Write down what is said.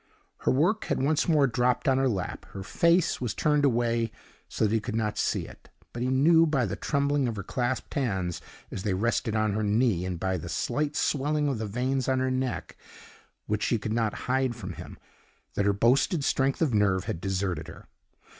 Her work had once more dropped on her lap, her face was turned away so that he could not see it; but he knew by the trembling of her clasped hands, as they rested on her knee, and by the slight swelling of the veins on her neck which she could not hide from him, that her boasted strength of nerve had deserted her.